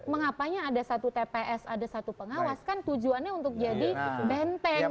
mengapanya ada satu tps ada satu pengawas kan tujuannya untuk jadi benteng